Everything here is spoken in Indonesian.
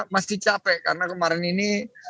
masih capek karena kemarin ini